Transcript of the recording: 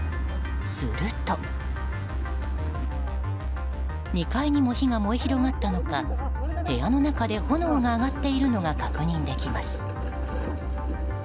すると、２階にも火が燃え広がったのか部屋の中で炎が上がっているのが確認できます。